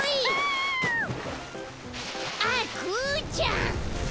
あっクーちゃん。